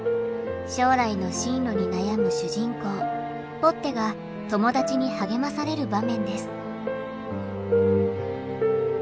将来の進路に悩む主人公ぽってが友達に励まされる場面です。